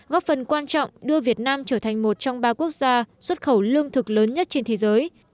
góp phần quan trọng đưa việt nam trở thành một trong ba quốc gia xuất khẩu lương thực lớn nhất trên thế giới